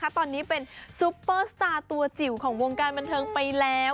ตอนนี้เป็นซุปเปอร์สตาร์ตัวจิ๋วของวงการบันเทิงไปแล้ว